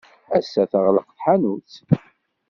Ass-a teɣleq tḥanut.